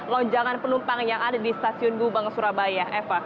lonjangan penumpang yang ada di stasiun gubeng surabaya